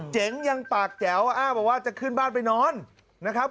เจ๋งยังปากแจ๋วอ้างบอกว่าจะขึ้นบ้านไปนอนนะครับ